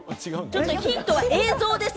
ヒントは映像です。